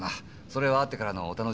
それは会ってからのお楽しみ。